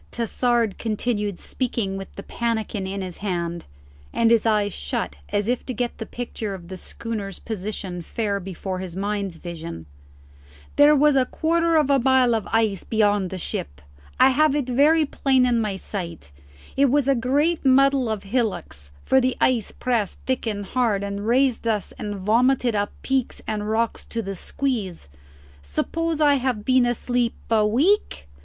Tassard continued speaking with the pannikin in his hand, and his eyes shut as if to get the picture of the schooner's position fair before his mind's vision: "There was a quarter of a mile of ice beyond the ship: I have it very plain in my sight: it was a great muddle of hillocks, for the ice pressed thick and hard, and raised us and vomited up peaks and rocks to the squeeze. Suppose I have been asleep a week?"